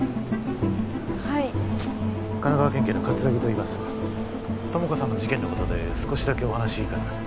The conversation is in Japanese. はい神奈川県警の葛城といいます友果さんの事件のことで少しだけお話いいかな？